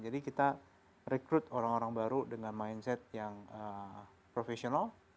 jadi kita recruit orang orang baru dengan mindset yang professional